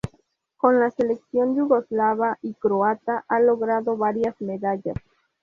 Con la selección yugoslava y croata ha logrado varias medallas.